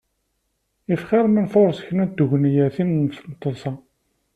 If xir ma nfureṣ kra n tgenyatin n teḍsa.